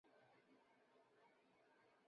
服务器出现异常